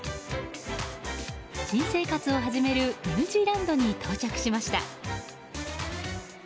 新生活を始めるニュージーランドに到着しました。